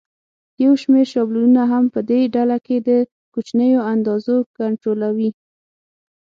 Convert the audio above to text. یو شمېر شابلونونه هم په دې ډله کې د کوچنیو اندازو کنټرولوي.